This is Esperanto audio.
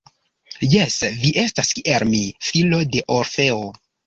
Jes, vi estas kiel mi, filo de Orfeo.